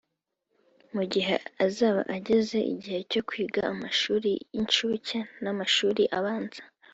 Mu gihe azaba ageze igihe cyo kwiga amashuri y’inshuke n’amashuri abanza